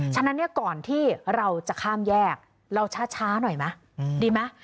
ฉะนั้นเนี่ยก่อนที่เราจะข้ามแยกเราช้าหน่อยไหมดีไหม